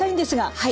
はい。